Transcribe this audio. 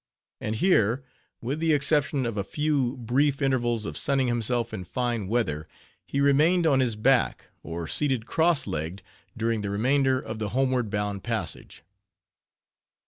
And here, with the exception of a few brief intervals of sunning himself in fine weather, he remained on his back, or seated cross legged, during the remainder of the homeward bound passage.